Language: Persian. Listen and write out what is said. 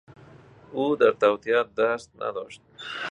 او در توطئه دست نداشت.